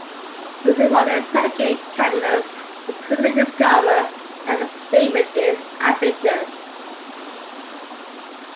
Using modern predicate calculus, we quickly discover that the statement is ambiguous.